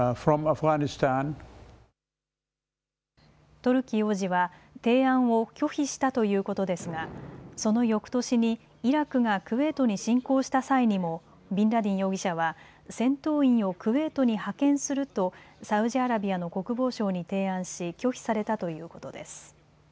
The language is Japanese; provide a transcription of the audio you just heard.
トルキ王子は提案を拒否したということですがそのよくとしにイラクがクウェートに侵攻した際にもビンラディン容疑者は戦闘員をクウェートに派遣するとサウジアラビアの国防相に提案し拒否されたということです。